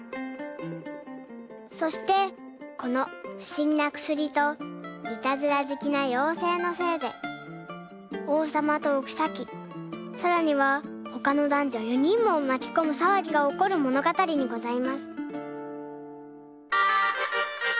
そしてこのふしぎなくすりといたずらずきなようせいのせいでおうさまとおきさきさらにはほかのだんじょ４にんもまきこむさわぎがおこるものがたりにございます。